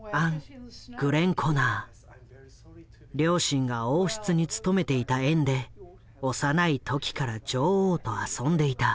両親が王室に勤めていた縁で幼い時から女王と遊んでいた。